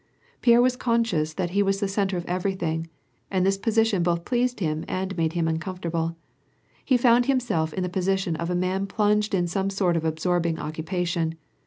Pierre was conscious that he was the centre of everything, and this posi tion both pleased him and made him uncomfortable. He found himself in the position of a man plunged in some sort of absorbing occupation.